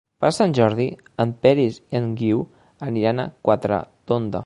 Per Sant Jordi en Peris i en Guiu aniran a Quatretonda.